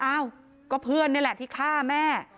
อ้าวก็เพื่อนนี่แหละที่ฆ่าแม่